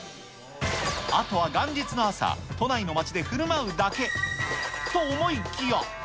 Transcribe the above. あとは元日の朝、都内の街でふるまうだけと思いきや。